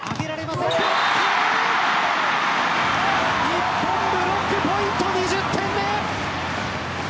日本ブロックポイント２０点目。